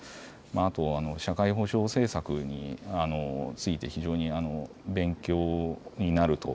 あと、社会保障政策について非常に勉強になると。